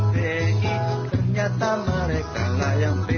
ternyata mereka yang pki